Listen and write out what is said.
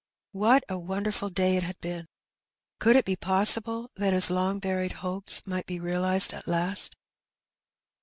What a wonderful day it had been I Could it be possible that his long buried hopes might be realized at last?